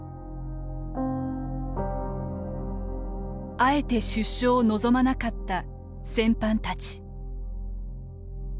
あえて出所を望まなかった戦犯たち。